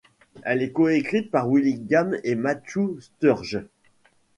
Elle est coécrite par Willingham et Matthew Sturges.